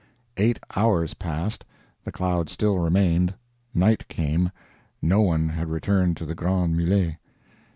Eight hours passed, the cloud still remained, night came, no one had returned to the Grands Mulets.